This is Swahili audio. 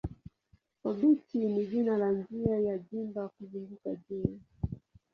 Obiti ni jina la njia ya gimba kuzunguka jua.